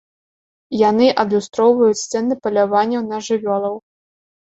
Яны адлюстроўваюць сцэны паляванняў на жывёлаў.